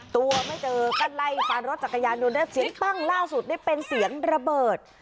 ตัวไม่เจอก็ไล่ฟันรถจักรยานยนต์แล้วเสียงปั้งล่าสุดได้เป็นเสียงระเบิด